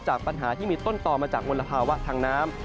ปัญหาที่มีต้นต่อมาจากมลภาวะทางน้ำ